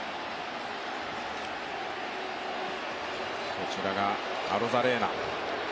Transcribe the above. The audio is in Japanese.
こちらがアロザレーナ。